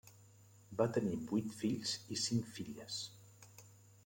Va tenir vuit fills i cinc filles.